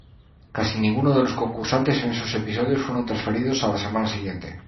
Casi ningunos de los concursantes en esos episodios fueron transferidos a la semana siguiente.